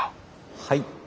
はい。